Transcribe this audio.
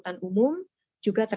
di lapangan oleh seluruh pihak